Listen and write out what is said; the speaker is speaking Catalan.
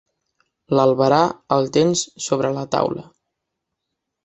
L'albarà el tens sobre la taula.